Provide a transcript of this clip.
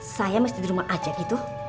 saya mau ke tempat lainnya